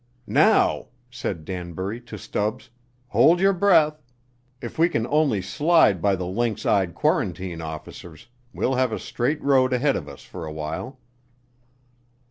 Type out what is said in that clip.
"Now," said Danbury to Stubbs, "hold your breath. If we can only slide by the lynx eyed quarantine officers, we'll have a straight road ahead of us for a while."